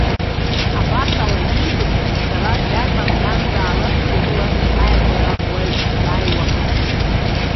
Абас ала еибыҭаз сара, иарбан ганзаалакгьы рыла сааигәара уаҩ дзааиуамызт.